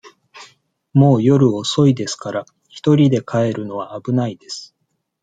もう夜遅いですから、一人で帰るのは危ないです。